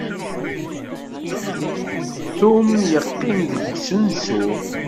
Tum yeqqim deg usensu.